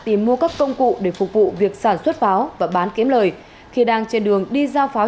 tìm mua các công cụ để phục vụ việc sản xuất pháo và bán kiếm lời khi đang trên đường đi giao pháo